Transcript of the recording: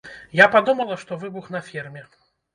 Я падумала, што выбух на ферме.